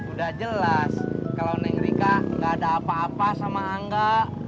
udah jelas kalau naik rika gak ada apa apa sama enggak